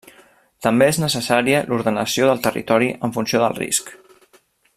També és necessària l'ordenació del territori en funció del risc.